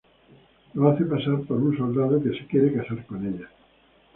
Lo hace pasar por un soldado que se quiere casar con ella.